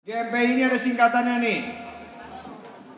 gmi ini ada singkatannya nih